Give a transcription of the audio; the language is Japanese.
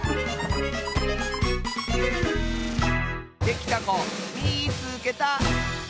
できたこみいつけた！